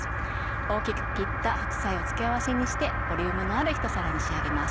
大きく切った白菜を付け合わせにしてボリュームのあるひと皿に仕上げます。